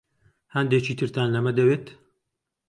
هەندێکی ترتان لەمە دەوێت؟